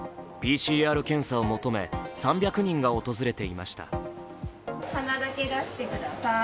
ＰＣＲ検査を求め３００人が訪れていました。